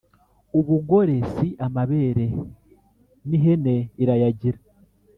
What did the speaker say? ubugore si amabere n’ihene irayagira.